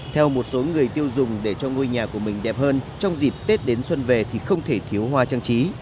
theo một số người tiêu dùng để cho ngôi nhà của mình đẹp hơn trong dịp tết đến xuân về thì không thể thiếu hoa trang trí